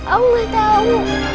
aku gak tau